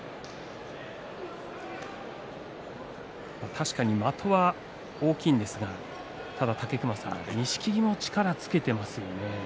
確かに的は大きいんですが武隈さん錦木、力をつけていますよね。